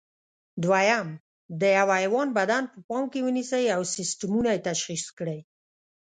دوهم: د یوه حیوان بدن په پام کې ونیسئ او سیسټمونه یې تشخیص کړئ.